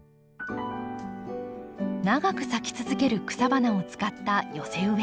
長く咲き続ける草花を使った寄せ植え。